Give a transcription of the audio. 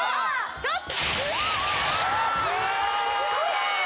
ちょっと。